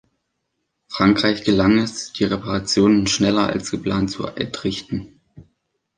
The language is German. Frankreich gelang es, die Reparationen schneller als geplant zu entrichten.